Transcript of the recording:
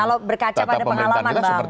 kalau berkaca pada pengalaman